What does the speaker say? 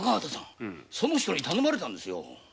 あの人に頼まれたんですよ。